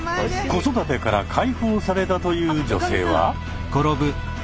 子育てから解放されたという女性は？